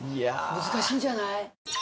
難しいんじゃない？